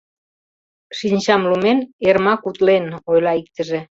— Шинчам лумен, Эрмак утлен, — ойла иктыже.